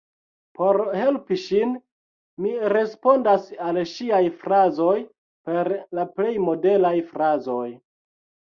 Por helpi ŝin, mi respondas al ŝiaj frazoj per la plej modelaj frazoj.